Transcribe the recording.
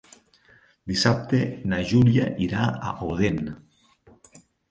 Dissabte na Júlia irà a Odèn.